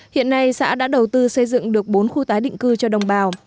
hiện nay xã đã đầu tư xây dựng được bốn khu tái định cư cho đồng bào